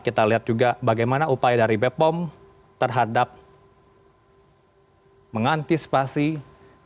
kita lihat juga bagaimana upaya dari bepom terhadap mengantisipasi diabetes anak ini